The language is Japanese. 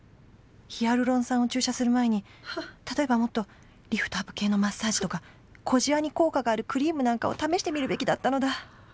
「ヒアルロン酸を注射する前に、例えばもっとリフトアップ系のマッサージとか、小じわに効果があるクリームなんかを試してみるべきだったのだ」。